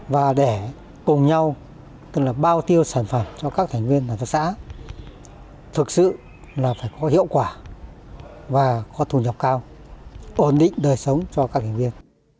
và để cùng nhau tức là bao tiêu sản phẩm cho các thành viên hợp tác xã thực sự là phải có hiệu quả và có thu nhập cao ổn định đời sống cho các thành viên